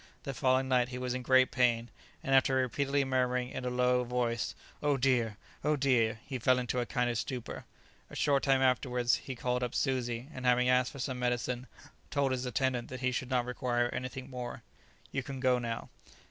The following night he was in great pain, and after repeatedly murmuring in a low voice, "Oh dear, oh dear!" he fell into a kind of stupor. A short time afterwards he called up Suzi, and having asked for some medicine, told his attendant that he should not require anything more. "You can go now."